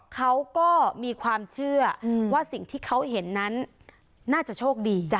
เขาก็มีความเชื่อว่าสิ่งที่เขาเห็นนั้นน่าจะโชคดี